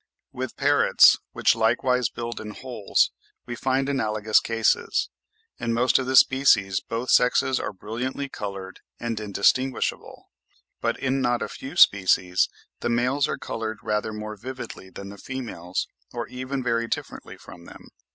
With parrots, which likewise build in holes, we find analogous cases: in most of the species, both sexes are brilliantly coloured and indistinguishable, but in not a few species the males are coloured rather more vividly than the females, or even very differently from them.